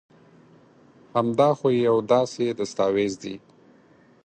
هم دا خو يو داسي دستاويز دي